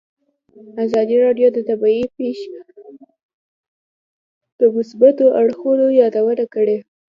ازادي راډیو د طبیعي پېښې د مثبتو اړخونو یادونه کړې.